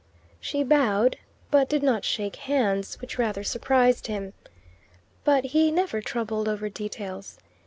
She bowed, but did not shake hands, which rather surprised him. But he never troubled over "details."